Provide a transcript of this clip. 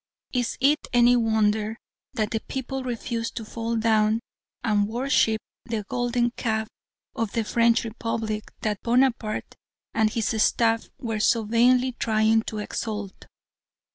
Is it any wonder that the people refused to fall down and worship the golden calf of the French Republic that Bonaparte and his Staff were so vainly trying to exalt!